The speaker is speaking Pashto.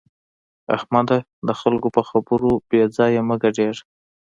احمده! د خلګو په خبرو بې ځایه مه ګډېږه.